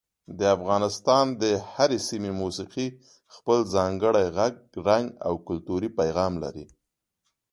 د افغانستان د هرې سیمې موسیقي خپل ځانګړی غږ، رنګ او کلتوري پیغام لري.